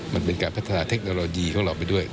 มันเป็นการพัฒนาเทคโนโลยีของเราไปด้วย